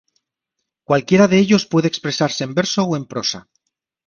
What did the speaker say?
Cualquiera de ellos puede expresarse en verso o en prosa.